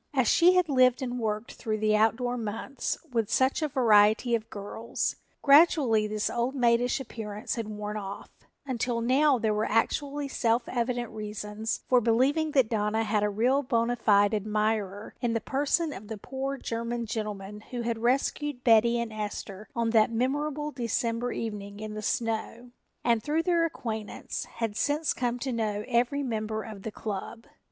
As she had lived and worked through the outdoor months with such a variety of girls, gradually this old maidish appearance had worn off, until now there were actually self evident reasons for believing that Donna had a real bona fide admirer in the person of the poor German gentleman who had rescued Betty and Esther on that memorable December evening in the snow and, through their acquaintance, had since come to know every member of the club.